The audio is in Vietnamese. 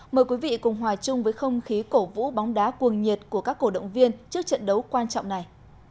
mời quý vị cùng hòa chung với không khí cổ vũ bóng đá cuồng nhiệt của các cổ động viên trước trận đấu quan trọng này